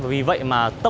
vì vậy mà